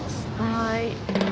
はい。